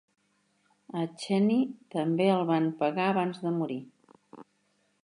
A Chaney també el van pegar abans de morir.